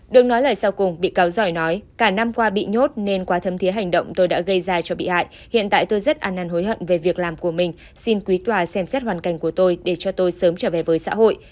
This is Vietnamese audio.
đừng nói lời sau cùng bị cáo giỏi nói cả năm qua bị nhốt nên quá thấm thiế hành động tôi đã gây ra cho bị hại hiện tại tôi rất ăn năn hối hận về việc làm của mình xin quý tòa xem xét hoàn cảnh của tôi để cho tôi sớm trở về với xã hội